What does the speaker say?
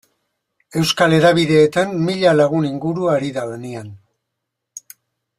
Euskal hedabideetan mila lagun inguru ari da lanean.